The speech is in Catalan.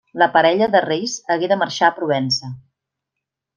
La parella de reis hagué de marxar a Provença.